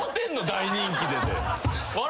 「大人気」で。笑